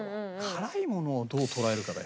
辛いものをどう捉えるかだよな。